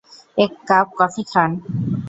এক cup coffee খান।